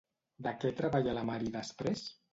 De què treballa la Marie després?